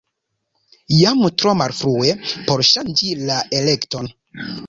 Jam tro malfrue por ŝanĝi la elekton.